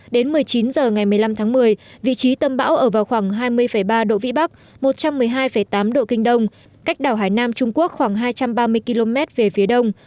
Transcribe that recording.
đến một mươi chín h ngày một mươi năm tháng một mươi vị trí tâm bão ở vào khoảng hai mươi ba độ vĩ bắc một trăm một mươi hai tám độ kinh đông cách đảo hải nam trung quốc khoảng hai trăm ba mươi km về phía đông